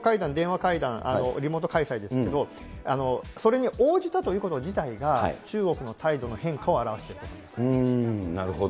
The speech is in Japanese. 首脳会談、電話会談、リモート開催ですけれども、それに応じたということ自体が、中国の態度の変化を表している。